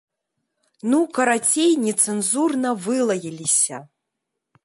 Ну, карацей, нецэнзурна вылаяліся.